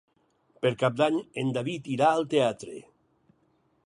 Per Cap d'Any en David irà al teatre.